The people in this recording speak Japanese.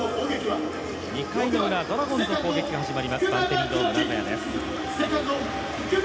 ２回のウラ、ドラゴンズの攻撃が始まります、バンテリンドームナゴヤです。